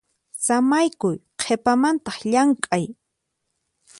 Samaykuy qhipamantaq llamk'ay.